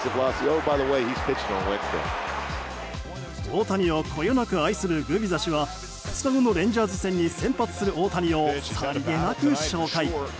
大谷をこよなく愛するグビザ氏は２日後のレンジャーズ戦に先発する大谷をさりげなく紹介。